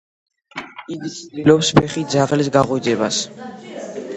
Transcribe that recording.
იგი ცდილობს ფეხით ძაღლის გაღვიძებას.